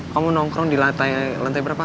kamu nongkrong di lantai berapa